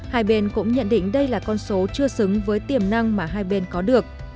hai bên cũng nhận định đây là con số chưa xứng với tiềm năng mà hai bên có được